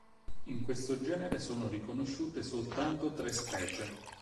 In questo genere sono riconosciute soltanto tre specie.